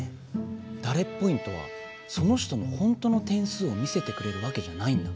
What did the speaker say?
ダレッポイントはその人のほんとの点数を見せてくれるわけじゃないんだ。